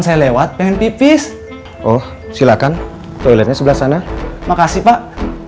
saya lewat pengen pipis oh silakan toiletnya sebelah sana makasih pak